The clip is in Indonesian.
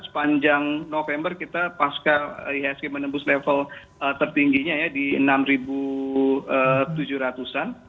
sepanjang november kita pasca ihsg menembus level tertingginya ya di enam tujuh ratus an